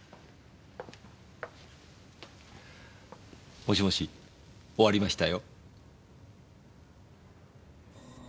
もしもし終わりましたよ。